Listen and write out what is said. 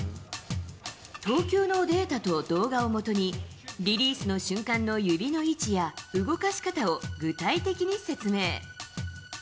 投球のデータと動画を基に、リリースの瞬間の指の位置や動かし方を具体的に説明。